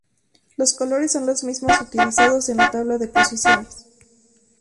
Los colores son los mismos utilizados en la tabla de posiciones.